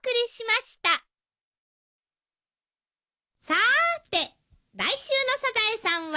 さーて来週の『サザエさん』は？